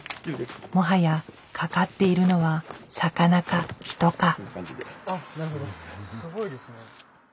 もはやかかっているのは魚か人か。